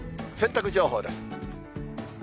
洗濯情報です。